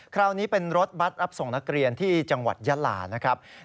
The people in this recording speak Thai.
คราวนี้เป็นรถบัตรรับส่งนักเรียนที่จังหวัดยาลานะครับ